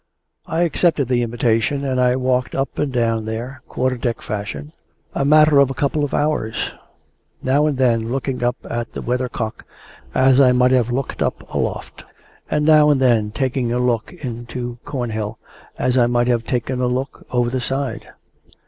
I accepted the invitation and I walked up and down there, quarter deck fashion, a matter of a couple of hours; now and then looking up at the weathercock as I might have looked up aloft; and now and then taking a look into Cornhill, as I might have taken a look over the side.